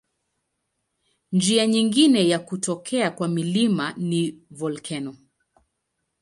Njia nyingine ya kutokea kwa milima ni volkeno.